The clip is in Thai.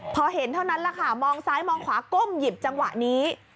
พอเห็นเท่านั้นแหละค่ะมองซ้ายมองขวาก้มหยิบจังหวะนี้